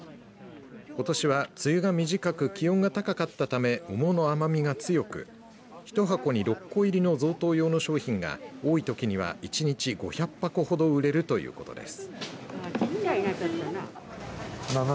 ことしは梅雨が短く気温が高かったため桃の甘みが強く１箱に６個入りの贈答用の商品が多いときには１日５００箱ほど売れるということです。